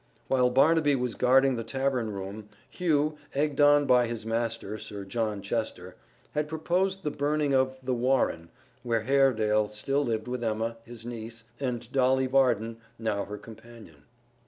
While Barnaby was guarding the tavern room, Hugh, egged on by his master, Sir John Chester, had proposed the burning of The Warren, where Haredale still lived with Emma, his niece, and Dolly Varden, now her companion.